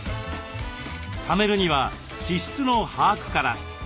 ためるには支出の把握から。